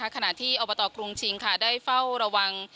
ขณะที่อบตกรุงชิงได้เฝ้าระวัง